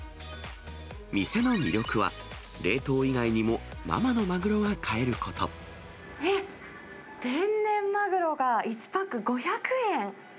店の魅力は冷凍以外にも生のえっ、天然マグロが１パック５００円。